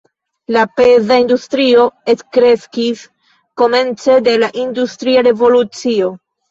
La peza industrio ekkreskis komence de la industria revolucio.